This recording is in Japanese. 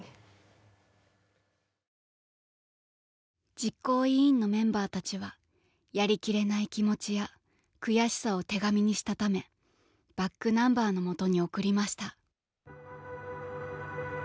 実行委員のメンバーたちはやりきれない気持ちや悔しさを手紙にしたためｂａｃｋｎｕｍｂｅｒの元に送りました。